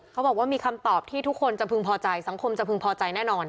เขาบอกว่ามีคำตอบที่ทุกคนจะพึงพอใจสังคมจะพึงพอใจแน่นอน